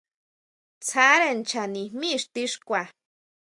Tsáre ncha nijmí ixti xkua.